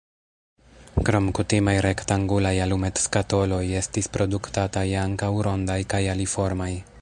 Krom kutimaj rektangulaj alumetskatoloj estis produktataj ankaŭ rondaj kaj aliformaj.